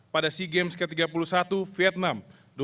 pada sea games ke tiga puluh satu vietnam dua ribu dua puluh satu